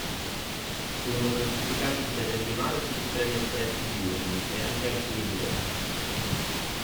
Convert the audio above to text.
Furono classificati interregionali tutti i treni espressi diurni, e anche alcuni diretti.